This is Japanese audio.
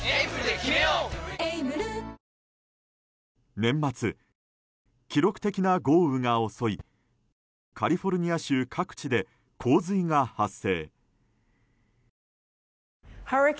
年末、記録的な豪雨が襲いカリフォルニア州各地で洪水が発生。